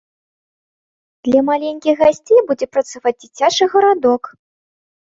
Для маленькіх гасцей будзе працаваць дзіцячы гарадок.